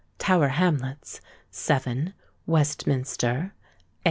Tower Hamlets; 7. Westminster; 8.